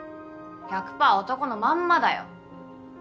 １００パー男のまんまだよ。